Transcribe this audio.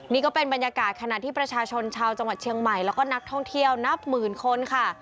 นี่ก็เป็นบรรยากาศขณะที่ประชาชนชาวจังหวัดเชียงใหม่แล้วก็นักท่องเที่ยวนับหมื่นคนค่ะ